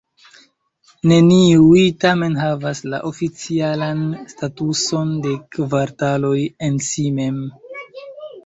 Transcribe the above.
Neniuj tamen havas la oficialan statuson de kvartaloj en si mem.